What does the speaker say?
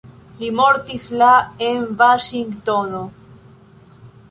Li mortis la en Vaŝingtono.